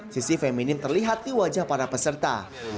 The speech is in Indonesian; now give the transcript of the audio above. sisi feminin terlihat di wajah para peserta